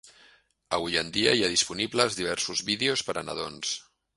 Avui en dia hi ha disponibles diversos vídeos per a nadons.